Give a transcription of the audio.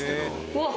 うわっ！